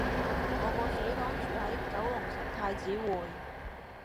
我個死黨住喺九龍城太子匯